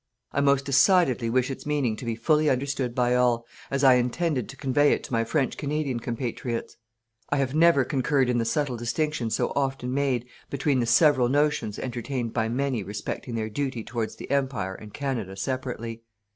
I most decidedly wish its meaning to be fully understood by all, as I intended to convey it to my French Canadian compatriots. I have never concurred in the subtle distinction so often made between the several notions entertained by many respecting their duty towards the Empire and Canada separately.